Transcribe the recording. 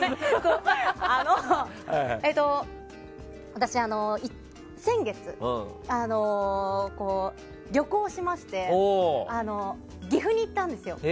私、先月に旅行をしまして岐阜に行ったんですよ。